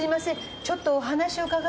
ちょっとお話を伺いたくて。